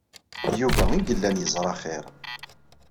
D Yuba ay yellan yeẓra xir.